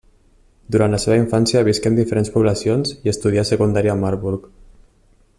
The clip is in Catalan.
Durant la seva infància visqué en diferents poblacions i estudià secundària a Marburg.